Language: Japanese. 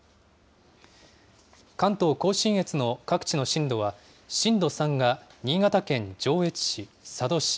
関東甲信越の各地の震度は、震度３が新潟県上越市、佐渡市。